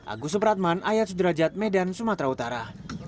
agus supratman ayat sudrajat medan sumatera utara